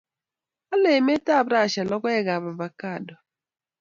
Lolei emetab Russia logoekab avocado